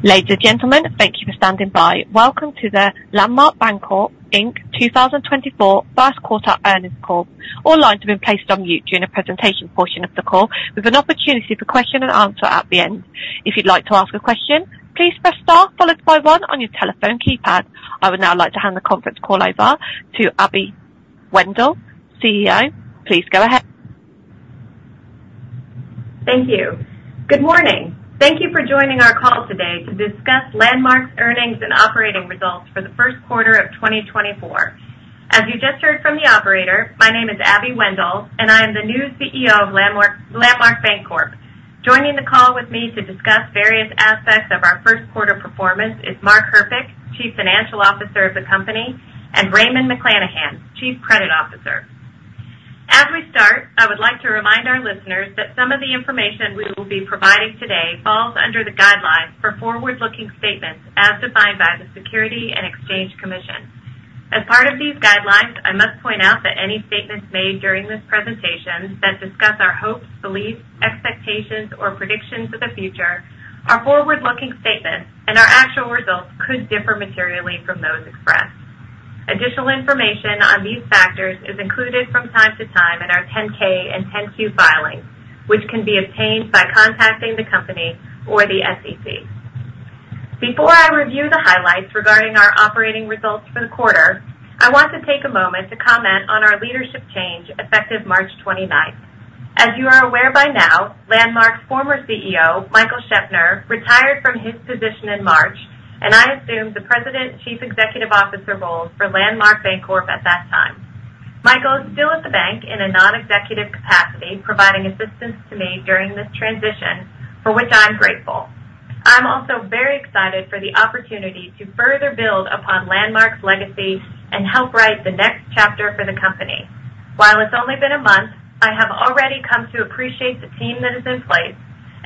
Ladies and gentlemen, thank you for standing by. Welcome to the Landmark Bancorp Inc. 2024 first quarter earnings call. All lines have been placed on mute during the presentation portion of the call, with an opportunity for question and answer at the end. If you'd like to ask a question, please press Star followed by one on your telephone keypad. I would now like to hand the conference call over to Abby Wendel, CEO. Please go ahead. Thank you. Good morning. Thank you for joining our call today to discuss Landmark's earnings and operating results for the first quarter of 2024. As you just heard from the operator, my name is Abby Wendel, and I am the new CEO of Landmark, Landmark Bancorp. Joining the call with me to discuss various aspects of our first quarter performance is Mark Herpich, Chief Financial Officer of the company, and Raymond McClanahan, Chief Credit Officer. As we start, I would like to remind our listeners that some of the information we will be providing today falls under the guidelines for forward-looking statements as defined by the Securities and Exchange Commission. As part of these guidelines, I must point out that any statements made during this presentation that discuss our hopes, beliefs, expectations, or predictions of the future are forward-looking statements, and our actual results could differ materially from those expressed. Additional information on these factors is included from time to time in our 10-K and 10-Q filings, which can be obtained by contacting the company or the SEC. Before I review the highlights regarding our operating results for the quarter, I want to take a moment to comment on our leadership change effective March 29. As you are aware by now, Landmark's former CEO, Michael Scheopner, retired from his position in March, and I assumed the President Chief Executive Officer role for Landmark Bancorp at that time. Michael is still at the bank in a non-executive capacity, providing assistance to me during this transition, for which I'm grateful. I'm also very excited for the opportunity to further build upon Landmark's legacy and help write the next chapter for the company. While it's only been a month, I have already come to appreciate the team that is in place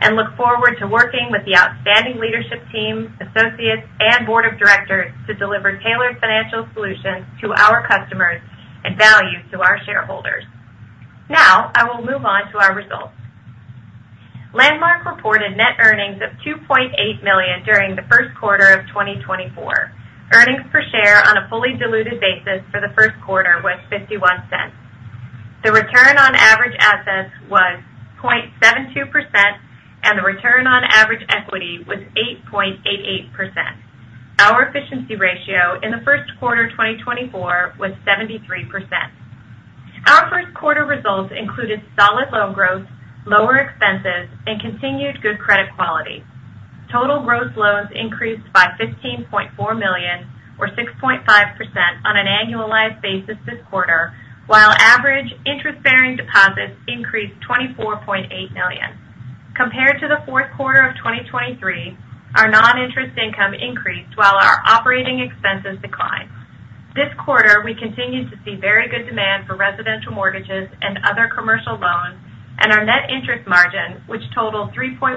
and look forward to working with the outstanding leadership team, associates, and board of directors to deliver tailored financial solutions to our customers and value to our shareholders. Now, I will move on to our results. Landmark reported net earnings of $2.8 million during the first quarter of 2024. Earnings per share on a fully diluted basis for the first quarter was $0.51. The return on average assets was 0.72%, and the return on average equity was 8.88%. Our efficiency ratio in the first quarter of 2024 was 73%. Our first quarter results included solid loan growth, lower expenses, and continued good credit quality. Total gross loans increased by $15.4 million, or 6.5% on an annualized basis this quarter, while average interest-bearing deposits increased $24.8 million. Compared to the fourth quarter of 2023, our noninterest income increased while our operating expenses declined. This quarter, we continued to see very good demand for residential mortgages and other commercial loans, and our net interest margin, which totaled 3.12%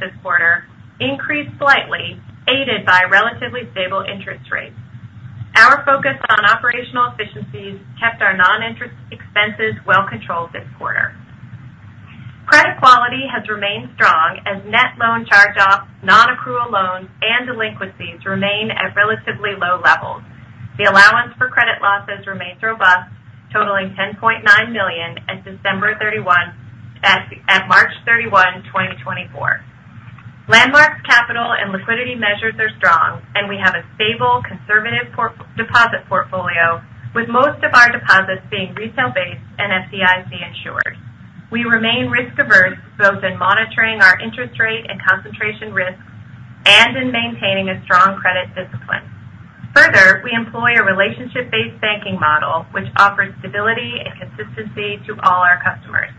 this quarter, increased slightly, aided by relatively stable interest rates. Our focus on operational efficiencies kept our noninterest expenses well controlled this quarter. Credit quality has remained strong as net loan charge-offs, nonaccrual loans and delinquencies remain at relatively low levels. The allowance for credit losses remains robust, totaling $10.9 million at December 31... At March 31, 2024. Landmark's capital and liquidity measures are strong, and we have a stable, conservative portfolio, with most of our deposits being retail-based and FDIC insured. We remain risk-averse, both in monitoring our interest rate and concentration risks and in maintaining a strong credit discipline. Further, we employ a relationship-based banking model, which offers stability and consistency to all our customers.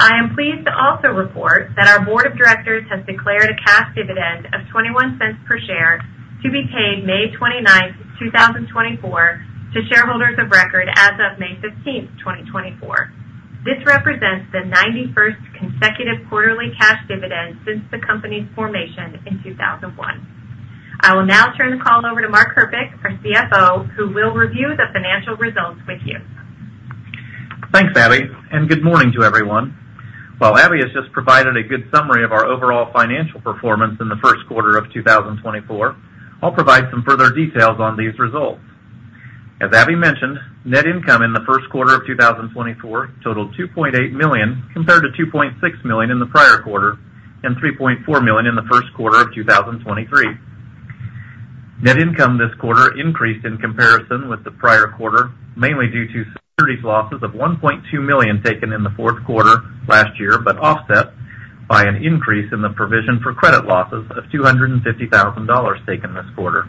I am pleased to also report that our board of directors has declared a cash dividend of $0.21 per share to be paid May 29, 2024, to shareholders of record as of May 15, 2024. This represents the 91st consecutive quarterly cash dividend since the company's formation in 2001. I will now turn the call over to Mark Herpich, our CFO, who will review the financial results with you. Thanks, Abby, and good morning to everyone. While Abby has just provided a good summary of our overall financial performance in the first quarter of 2024, I'll provide some further details on these results. As Abby mentioned, net income in the first quarter of 2024 totaled $2.8 million, compared to $2.6 million in the prior quarter and $3.4 million in the first quarter of 2023. Net income this quarter increased in comparison with the prior quarter, mainly due to securities losses of $1.2 million taken in the fourth quarter last year, but offset by an increase in the provision for credit losses of $250,000 taken this quarter.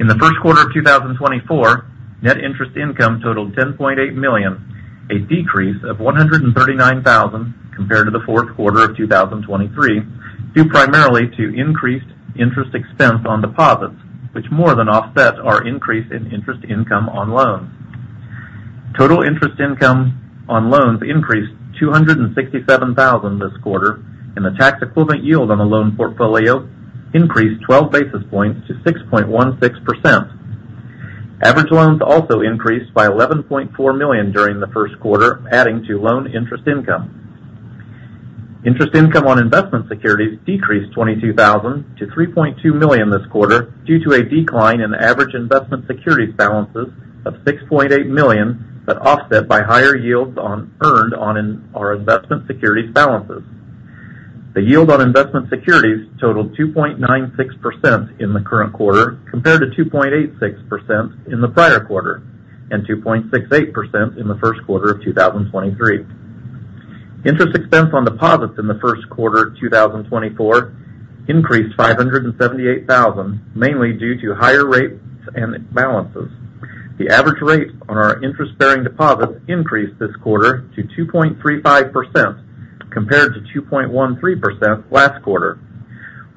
In the first quarter of 2024, net interest income totaled $10.8 million, a decrease of $139,000 compared to the fourth quarter of 2023, due primarily to increased interest expense on deposits, which more than offset our increase in interest income on loans. Total interest income on loans increased $267,000 this quarter, and the tax-equivalent yield on the loan portfolio increased 12 basis points to 6.16%.... Average loans also increased by $11.4 million during the first quarter, adding to loan interest income. Interest income on investment securities decreased $22,000 to $3.2 million this quarter due to a decline in average investment securities balances of $6.8 million, but offset by higher yields earned on our investment securities balances. The yield on investment securities totaled 2.96% in the current quarter, compared to 2.86% in the prior quarter, and 2.68% in the first quarter of 2023. Interest expense on deposits in the first quarter of 2024 increased $578,000, mainly due to higher rates and balances. The average rate on our interest-bearing deposits increased this quarter to 2.35% compared to 2.13% last quarter,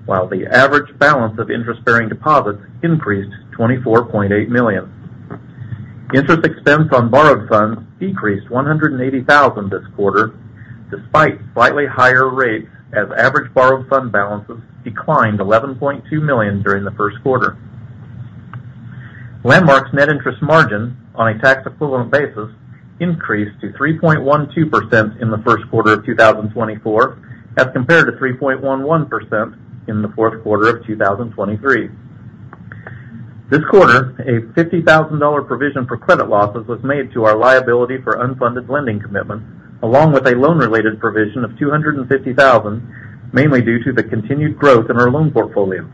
while the average balance of interest-bearing deposits increased $24.8 million. Interest expense on borrowed funds decreased $180,000 this quarter, despite slightly higher rates as average borrowed fund balances declined $11.2 million during the first quarter. Landmark's net interest margin on a tax-equivalent basis increased to 3.12% in the first quarter of 2024, as compared to 3.11% in the fourth quarter of 2023. This quarter, a $50,000 provision for credit losses was made to our liability for unfunded lending commitments, along with a loan-related provision of $250,000, mainly due to the continued growth in our loan portfolio.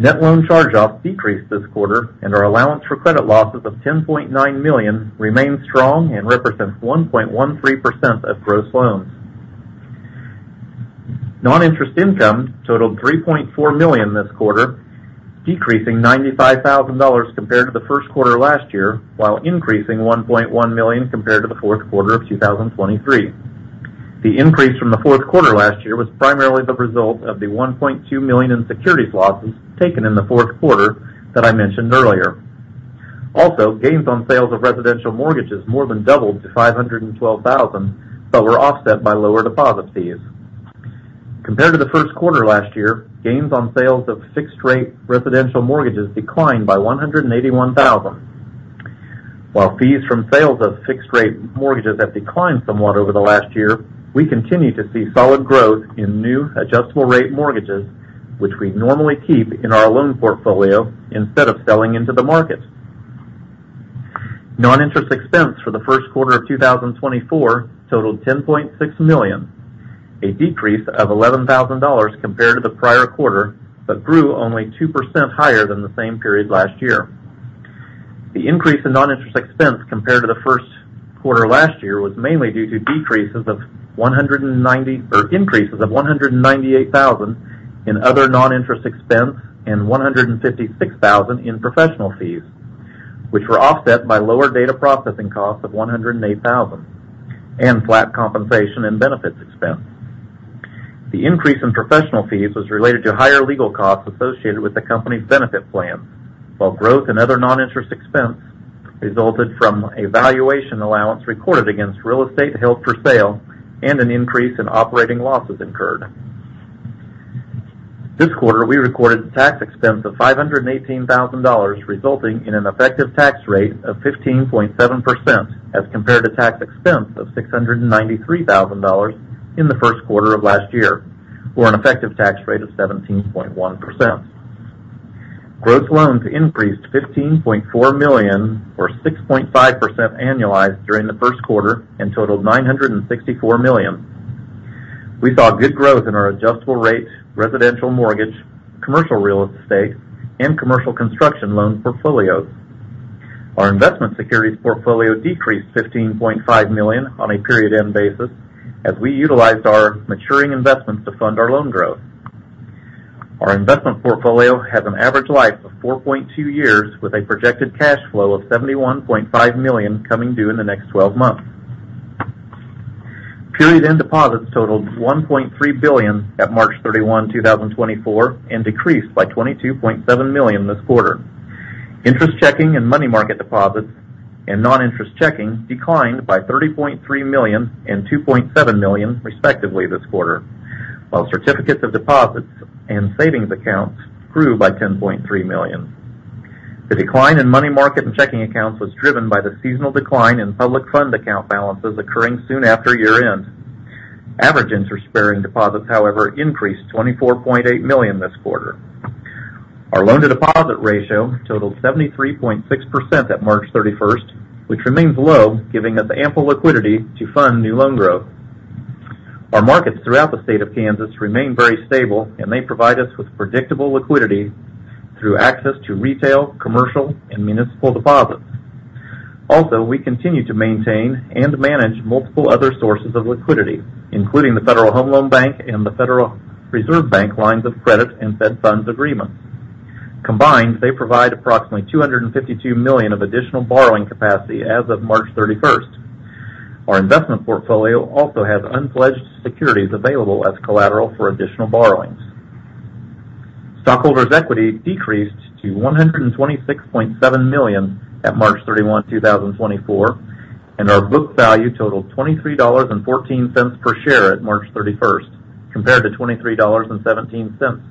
Net loan charge-offs decreased this quarter, and our allowance for credit losses of $10.9 million remains strong and represents 1.13% of gross loans. Noninterest income totaled $3.4 million this quarter, decreasing $95,000 compared to the first quarter last year, while increasing $1.1 million compared to the fourth quarter of 2023. The increase from the fourth quarter last year was primarily the result of the $1.2 million in securities losses taken in the fourth quarter that I mentioned earlier. Also, gains on sales of residential mortgages more than doubled to $512 thousand, but were offset by lower deposit fees. Compared to the first quarter last year, gains on sales of fixed-rate residential mortgages declined by $181 thousand. While fees from sales of fixed-rate mortgages have declined somewhat over the last year, we continue to see solid growth in new adjustable-rate mortgages, which we normally keep in our loan portfolio instead of selling into the market. Noninterest expense for the first quarter of 2024 totaled $10.6 million, a decrease of $11,000 compared to the prior quarter, but grew only 2% higher than the same period last year. The increase in noninterest expense compared to the first quarter last year was mainly due to increases of $198,000 in other noninterest expense and $156,000 in professional fees, which were offset by lower data processing costs of $108,000, and flat compensation and benefits expense. The increase in professional fees was related to higher legal costs associated with the company's benefit plan, while growth in other noninterest expense resulted from a valuation allowance recorded against real estate held for sale and an increase in operating losses incurred. This quarter, we recorded tax expense of $518,000, resulting in an effective tax rate of 15.7%, as compared to tax expense of $693,000 in the first quarter of last year, or an effective tax rate of 17.1%. Gross loans increased $15.4 million, or 6.5% annualized during the first quarter and totaled $964 million. We saw good growth in our adjustable-rate, residential mortgage, commercial real estate, and commercial construction loan portfolios. Our investment securities portfolio decreased $15.5 million on a period-end basis, as we utilized our maturing investments to fund our loan growth. Our investment portfolio has an average life of 4.2 years, with a projected cash flow of $71.5 million coming due in the next twelve months. Period-end deposits totaled $1.3 billion at March 31, 2024, and decreased by $22.7 million this quarter. Interest checking and money market deposits and non-interest checking declined by $30.3 million and $2.7 million, respectively, this quarter, while certificates of deposit and savings accounts grew by $10.3 million. The decline in money market and checking accounts was driven by the seasonal decline in public fund account balances occurring soon after year-end. Average interest-bearing deposits, however, increased $24.8 million this quarter. Our loan-to-deposit ratio totaled 73.6% at March 31st, which remains low, giving us ample liquidity to fund new loan growth. Our markets throughout the state of Kansas remain very stable, and they provide us with predictable liquidity through access to retail, commercial, and municipal deposits. Also, we continue to maintain and manage multiple other sources of liquidity, including the Federal Home Loan Bank and the Federal Reserve Bank lines of credit and Fed Funds agreements. Combined, they provide approximately $252 million of additional borrowing capacity as of March 31. Our investment portfolio also has unpledged securities available as collateral for additional borrowings. Stockholders' equity decreased to $126.7 million at March 31, 2024...and our book value totaled $23.14 per share at March 31, compared to $23.17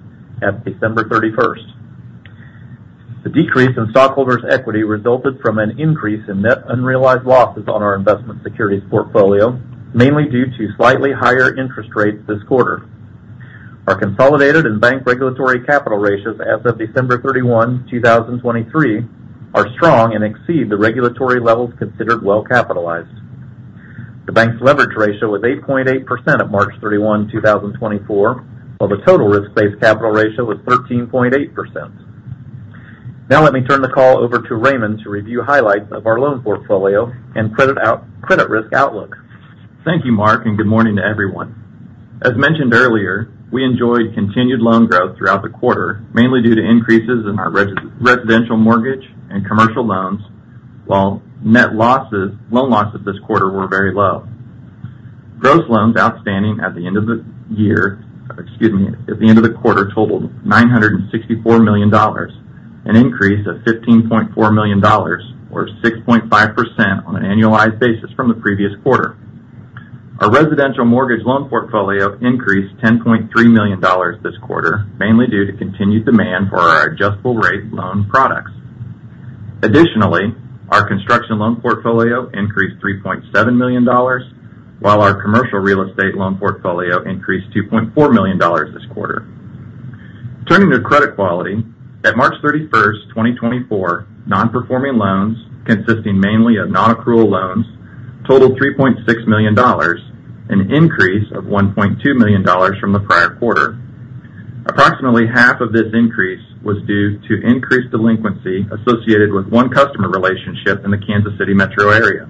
at December 31. The decrease in stockholders' equity resulted from an increase in net unrealized losses on our investment securities portfolio, mainly due to slightly higher interest rates this quarter. Our consolidated and bank regulatory capital ratios as of December 31, 2023, are strong and exceed the regulatory levels considered well-capitalized. The bank's leverage ratio was 8.8% at March 31, 2024, while the total risk-based capital ratio was 13.8%. Now let me turn the call over to Raymond to review highlights of our loan portfolio and credit risk outlook. Thank you, Mark, and good morning to everyone. As mentioned earlier, we enjoyed continued loan growth throughout the quarter, mainly due to increases in our residential mortgage and commercial loans, while net loan losses this quarter were very low. Gross loans outstanding at the end of the year, excuse me, at the end of the quarter totaled $964 million, an increase of $15.4 million, or 6.5% on an annualized basis from the previous quarter. Our residential mortgage loan portfolio increased $10.3 million this quarter, mainly due to continued demand for our adjustable-rate loan products. Additionally, our construction loan portfolio increased $3.7 million, while our commercial real estate loan portfolio increased $2.4 million this quarter. Turning to credit quality, at March 31, 2024, non-performing loans, consisting mainly of nonaccrual loans, totaled $3.6 million, an increase of $1.2 million from the prior quarter. Approximately half of this increase was due to increased delinquency associated with one customer relationship in the Kansas City metro area.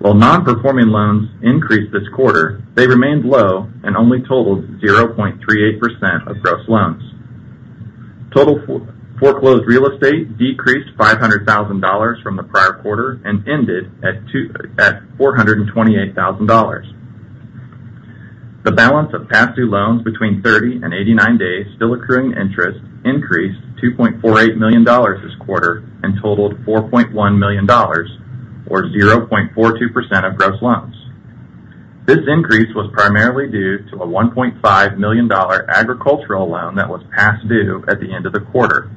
While non-performing loans increased this quarter, they remained low and only totaled 0.38% of gross loans. Total foreclosed real estate decreased $500,000 from the prior quarter and ended at $428,000. The balance of past due loans between 30 and 89 days, still accruing interest, increased $2.48 million this quarter and totaled $4.1 million, or 0.42% of gross loans. This increase was primarily due to a $1.5 million agricultural loan that was past due at the end of the quarter.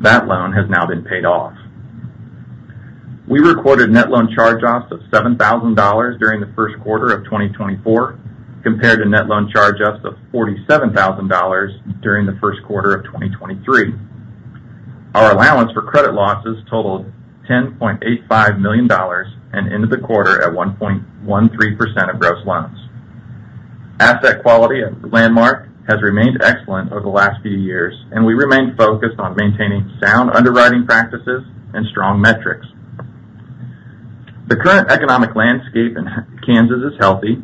That loan has now been paid off. We recorded net loan charge-offs of $7,000 during the first quarter of 2024, compared to net loan charge-offs of $47,000 during the first quarter of 2023. Our allowance for credit losses totaled $10.85 million and ended the quarter at 1.13% of gross loans. Asset quality at Landmark has remained excellent over the last few years, and we remain focused on maintaining sound underwriting practices and strong metrics. The current economic landscape in Kansas is healthy,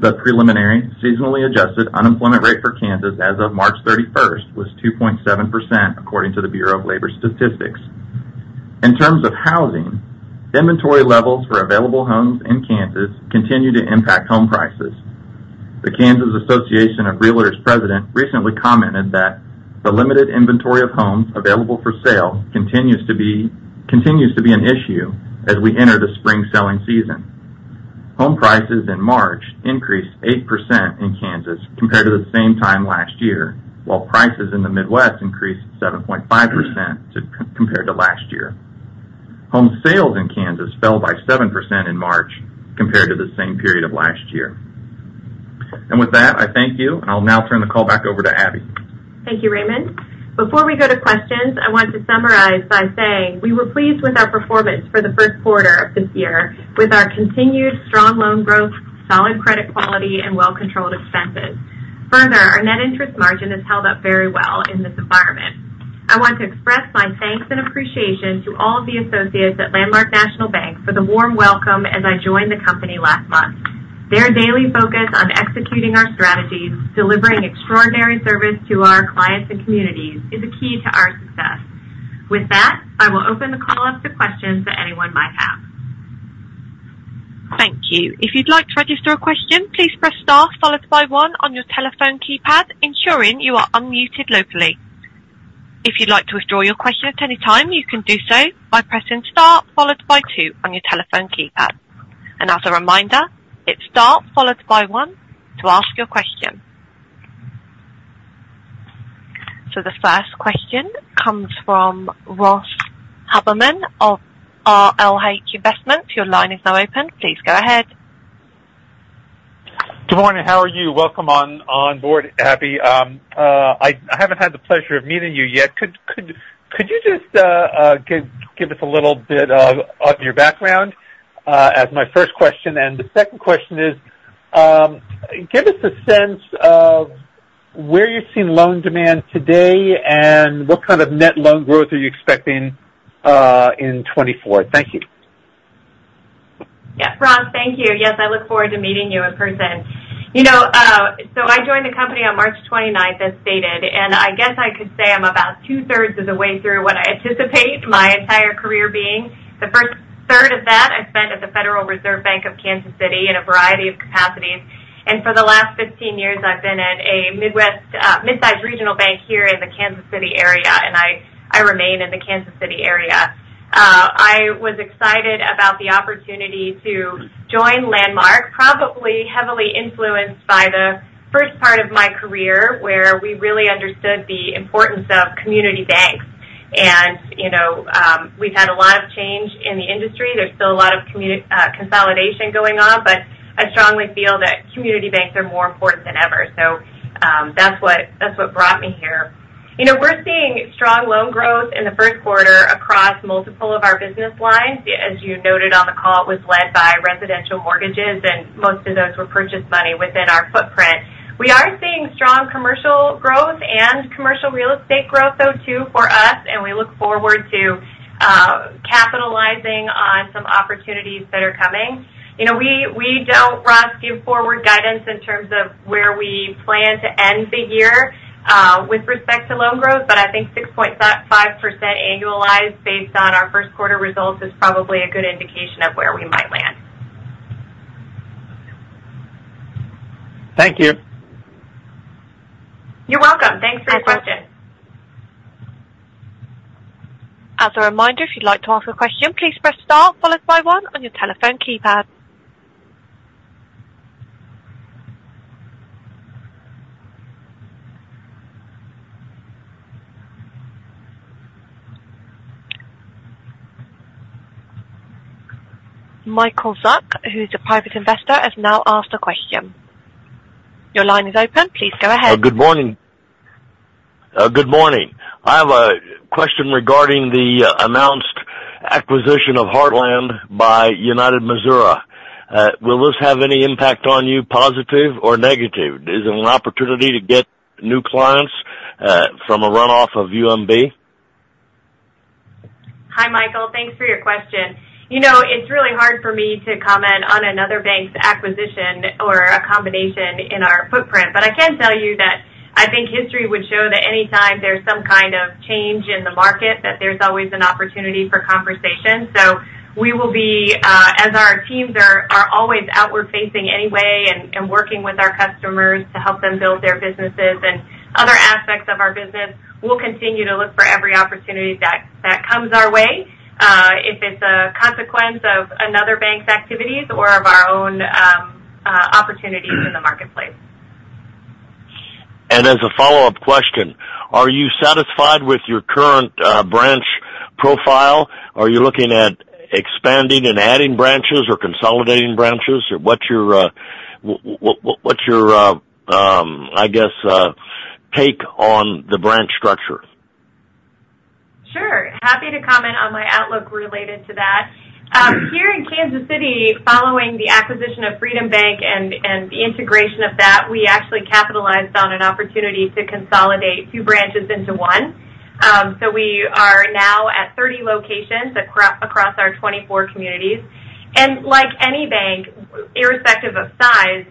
the preliminary seasonally adjusted unemployment rate for Kansas as of March 31 was 2.7%, according to the Bureau of Labor Statistics. In terms of housing, inventory levels for available homes in Kansas continue to impact home prices. The Kansas Association of Realtors president recently commented that the limited inventory of homes available for sale continues to be an issue as we enter the spring selling season. Home prices in March increased 8% in Kansas compared to the same time last year, while prices in the Midwest increased 7.5% compared to last year. Home sales in Kansas fell by 7% in March compared to the same period of last year. And with that, I thank you. I'll now turn the call back over to Abby. Thank you, Raymond. Before we go to questions, I want to summarize by saying we were pleased with our performance for the first quarter of this year with our continued strong loan growth, solid credit quality, and well-controlled expenses. Further, our net interest margin has held up very well in this environment. I want to express my thanks and appreciation to all of the associates at Landmark National Bank for the warm welcome as I joined the company last month. Their daily focus on executing our strategies, delivering extraordinary service to our clients and communities, is a key to our success. With that, I will open the call up to questions that anyone might have. Thank you. If you'd like to register a question, please press star followed by one on your telephone keypad, ensuring you are unmuted locally. If you'd like to withdraw your question at any time, you can do so by pressing star followed by two on your telephone keypad. As a reminder, hit star followed by one to ask your question. The first question comes from Ross Haberman of RLH Investments. Your line is now open. Please go ahead. Good morning, how are you? Welcome on, onboard, Abby. I haven't had the pleasure of meeting you yet. Could you just give us a little bit on your background as my first question? And the second question is, give us a sense of where you're seeing loan demand today and what kind of net loan growth are you expecting in 2024? Thank you. Yeah, Ross, thank you. Yes, I look forward to meeting you in person. You know, so I joined the company on March 29th, as stated, and I guess I could say I'm about two-thirds of the way through what I anticipate my entire career being. The first third of that I spent at the Federal Reserve Bank of Kansas City in a variety of capacities, and for the last 15 years I've been at a Midwest mid-sized regional bank here in the Kansas City area, remain in the Kansas City area. I was excited about the opportunity to join Landmark, probably heavily influenced by the first part of my career, where we really understood the importance of community banks. And, you know, we've had a lot of change in the industry. There's still a lot of consolidation going on, but I strongly feel that community banks are more important than ever. So, that's what brought me here. You know, we're seeing strong loan growth in the first quarter across multiple of our business lines. As you noted on the call, it was led by residential mortgages, and most of those were purchase money within our footprint. We are seeing strong commercial growth and commercial real estate growth, though, too, for us, and we look forward to capitalizing on some opportunities that are coming. You know, we don't, Ross, give forward guidance in terms of where we plan to end the year with respect to loan growth, but I think 6.5% annualized based on our first quarter results is probably a good indication of where we might land. Thank you. You're welcome. Thanks for the question. As a reminder, if you'd like to ask a question, please press star followed by one on your telephone keypad. Michael Zuk, who's a private investor, has now asked a question. Your line is open. Please go ahead. Good morning. Good morning. I have a question regarding the announced acquisition of Heartland by United Missouri. Will this have any impact on you, positive or negative? Is it an opportunity to get new clients from a runoff of UMB? Hi, Michael. Thanks for your question. You know, it's really hard for me to comment on another bank's acquisition or a combination in our footprint. But I can tell you that I think history would show that anytime there's some kind of change in the market, that there's always an opportunity for conversation. So we will be, as our teams are, are always outward facing anyway and, and working with our customers to help them build their businesses and other aspects of our business, we'll continue to look for every opportunity that, that comes our way, if it's a consequence of another bank's activities or of our own, opportunities in the marketplace. As a follow-up question, are you satisfied with your current branch profile? Are you looking at expanding and adding branches or consolidating branches? Or what's your take on the branch structure? Sure. Happy to comment on my outlook related to that. Here in Kansas City, following the acquisition of Freedom Bank and the integration of that, we actually capitalized on an opportunity to consolidate two branches into one. So we are now at 30 locations across our 24 communities. Like any bank, irrespective of size,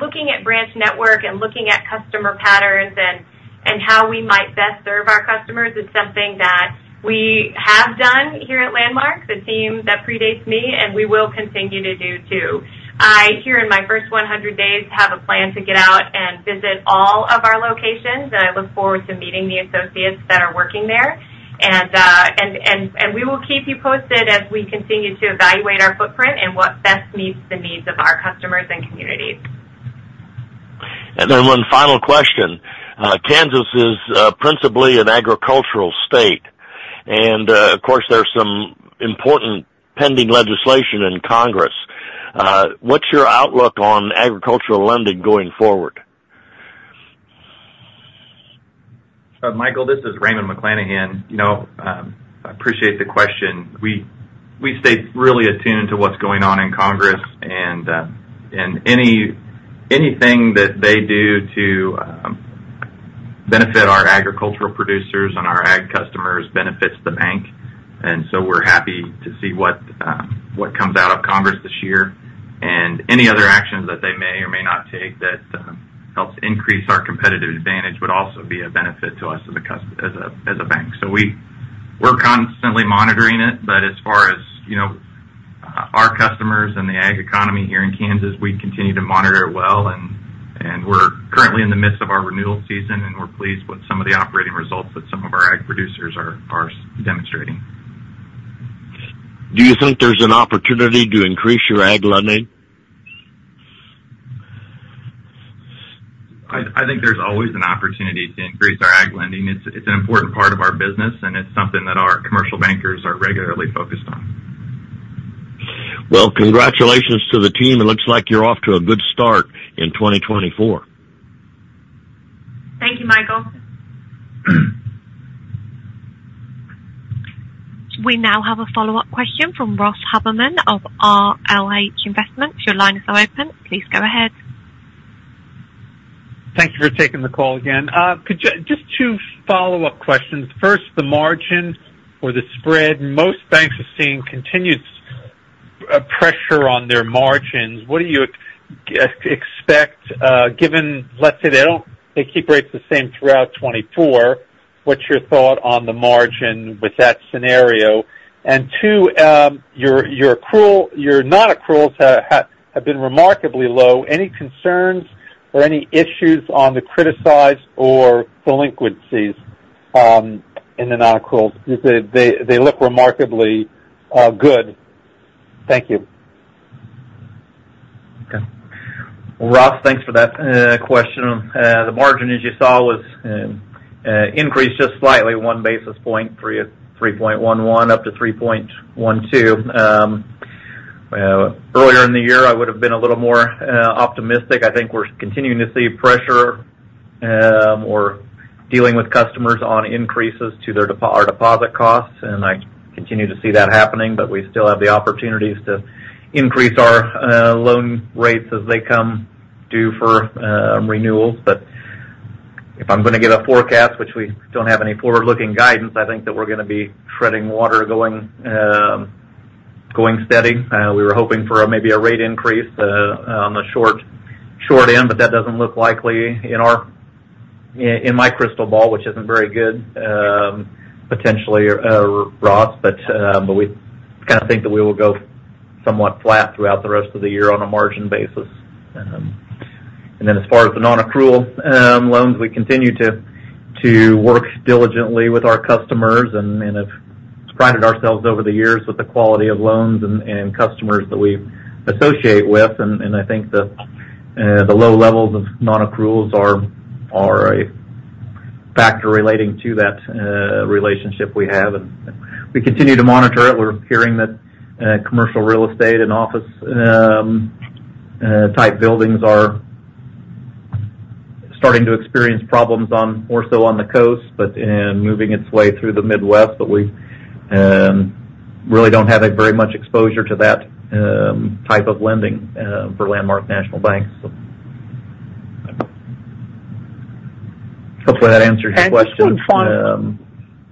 looking at branch network and looking at customer patterns and how we might best serve our customers is something that we have done here at Landmark, the team that predates me, and we will continue to do, too. I, here in my first 100 days, have a plan to get out and visit all of our locations, and I look forward to meeting the associates that are working there. And we will keep you posted as we continue to evaluate our footprint and what best meets the needs of our customers and communities. One final question. Kansas is principally an agricultural state, and, of course, there's some important pending legislation in Congress. What's your outlook on agricultural lending going forward? Michael, this is Raymond McClanahan. You know, I appreciate the question. We stay really attuned to what's going on in Congress and anything that they do to benefit our agricultural producers and our ag customers benefits the bank. And so we're happy to see what comes out of Congress this year. And any other actions that they may or may not take that helps increase our competitive advantage would also be a benefit to us as a bank. So we're constantly monitoring it, but as far as, you know, our customers and the ag economy here in Kansas, we continue to monitor it well, and we're currently in the midst of our renewal season, and we're pleased with some of the operating results that some of our ag producers are demonstrating. Do you think there's an opportunity to increase your ag lending? I think there's always an opportunity to increase our ag lending. It's an important part of our business, and it's something that our commercial bankers are regularly focused on. Well, congratulations to the team. It looks like you're off to a good start in 2024. Thank you, Michael. We now have a follow-up question from Ross Haberman of RLH Investments. Your lines are open. Please go ahead. Thank you for taking the call again. Could you just two follow-up questions. First, the margin or the spread. Most banks are seeing continued pressure on their margins. What do you expect, given, let's say, they keep rates the same throughout 2024, what's your thought on the margin with that scenario? And two, your nonaccruals have been remarkably low. Any concerns? Are there any issues on the criticized or delinquencies in the nonaccruals? They look remarkably good. Thank you. Okay. Well, Ross, thanks for that question. The margin, as you saw, was increased just slightly, 1 basis point, 3.11 up to 3.12. Earlier in the year, I would have been a little more optimistic. I think we're continuing to see pressure, or dealing with customers on increases to our deposit costs, and I continue to see that happening. But we still have the opportunities to increase our loan rates as they come due for renewals. But if I'm gonna give a forecast, which we don't have any forward-looking guidance, I think that we're gonna be treading water, going steady. We were hoping for maybe a rate increase on the short end, but that doesn't look likely in my crystal ball, which isn't very good, potentially, Ross. But we kind of think that we will go somewhat flat throughout the rest of the year on a margin basis. And then as far as the nonaccrual loans, we continue to work diligently with our customers and have prided ourselves over the years with the quality of loans and customers that we associate with. And I think that the low levels of nonaccruals are a factor relating to that relationship we have, and we continue to monitor it. We're hearing that, commercial real estate and office, type buildings are starting to experience problems on, more so on the coast, but, and moving its way through the Midwest. But we, really don't have a very much exposure to that, type of lending, for Landmark National Bank. So hopefully that answers your question.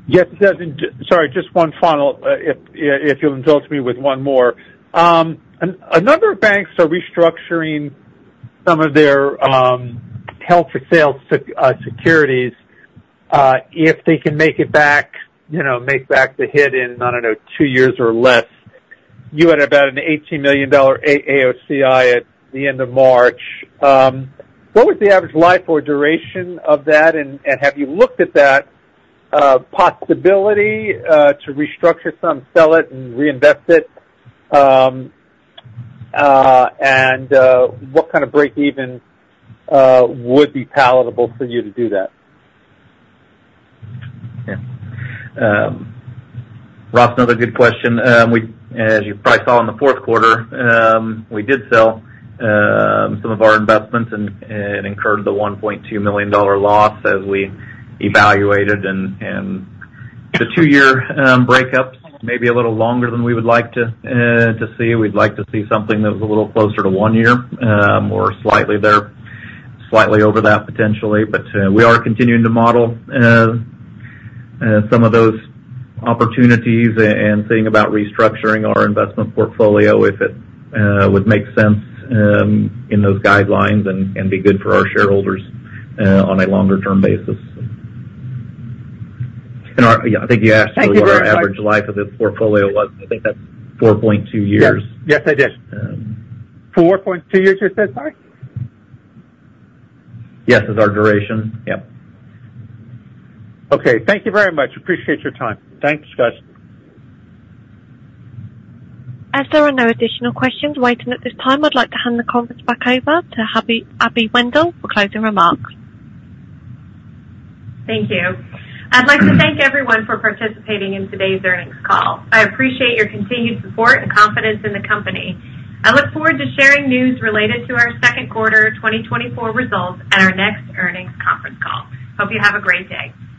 Yes, it does. And, sorry, just one final, if you'll indulge me with one more. A number of banks are restructuring some of their held-for-sale securities, if they can make it back, you know, make back the hit in, I don't know, two years or less. You had about an $18 million AOCI at the end of March. What was the average life or duration of that? And have you looked at that possibility to restructure some, sell it and reinvest it? And what kind of breakeven would be palatable for you to do that? Yeah. Ross, another good question. We—as you probably saw in the fourth quarter, we did sell some of our investments and incurred the $1.2 million loss as we evaluated. And the two-year earnback may be a little longer than we would like to see. We'd like to see something that was a little closer to one year, or slightly there, slightly over that, potentially. But we are continuing to model some of those opportunities and thinking about restructuring our investment portfolio, if it would make sense in those guidelines and be good for our shareholders on a longer-term basis. And yeah, I think you asked what our average life of this portfolio was. I think that's 4.2 years. Yes, yes, I did. Um. 4.2 years, you said, sorry? Yes, is our duration. Yep. Okay. Thank you very much. Appreciate your time. Thanks, guys. As there are no additional questions waiting at this time, I'd like to hand the conference back over to Abby, Abby Wendel for closing remarks. Thank you. I'd like to thank everyone for participating in today's earnings call. I appreciate your continued support and confidence in the company. I look forward to sharing news related to our second quarter 2024 results at our next earnings conference call. Hope you have a great day.